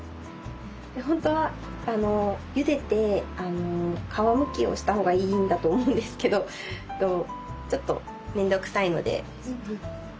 本当はゆでて皮むきをした方がいいんだと思うんですけどちょっと面倒くさいので。